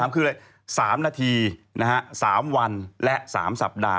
คืออะไร๓นาที๓วันและ๓สัปดาห์